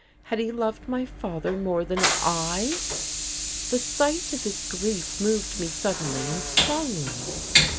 Had he loved my father more than I? The sight of his grief moved me suddenly and strongly....